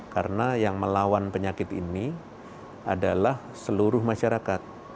karena yang melawan penyakit ini adalah seluruh masyarakat